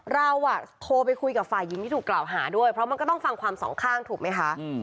เราโทรไปคุยกับฝ่ายหญิงที่ถูกกล่าวหาด้วยเพราะมันก็ต้องฟังความสองข้างถูกไหมคะ